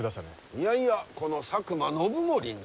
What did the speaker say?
いやいやこの佐久間信盛に。